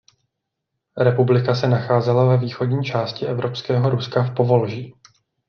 Republika se nacházela ve východní části evropského Ruska v Povolží.